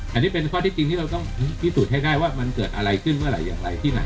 อันนี้เป็นข้อที่จริงที่เราต้องพิสูจน์ให้ได้ว่ามันเกิดอะไรขึ้นเมื่อไหร่อย่างไรที่ไหน